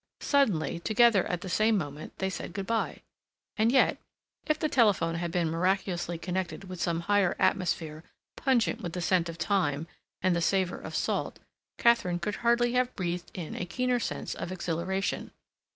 Suddenly, together, at the same moment, they said good bye. And yet, if the telephone had been miraculously connected with some higher atmosphere pungent with the scent of thyme and the savor of salt, Katharine could hardly have breathed in a keener sense of exhilaration.